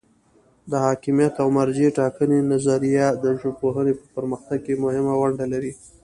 د حاکمیت او مرجع ټاکنې نظریه د ژبپوهنې په پرمختګ کې مهمه ونډه لري.